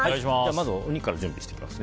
まずお肉から準備していきます。